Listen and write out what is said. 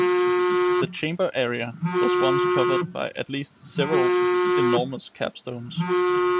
The chamber area was once covered by at least several enormous capstones.